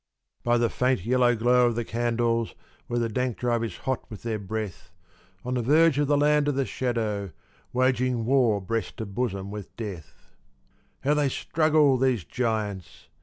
By the faint, yellow glow of the candles, where the dank drive is hot with their breath, On the verge of the Land of the Shadow, waging war breast to bosom with Death, How they struggle, these giants!